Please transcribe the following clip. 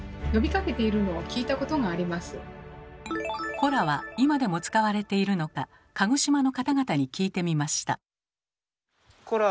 「コラ」は今でも使われているのか鹿児島の方々に聞いてみました。